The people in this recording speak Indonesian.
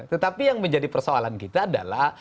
tetapi yang menjadi persoalan kita adalah